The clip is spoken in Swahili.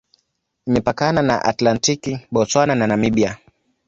Imepakana na Atlantiki, Botswana na Namibia.